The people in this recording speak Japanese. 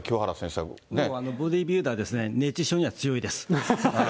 ボディービルダーは、熱中症には強いです。